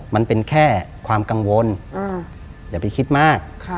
มันเป็นแค่ความกังวลอย่าไปคิดมาก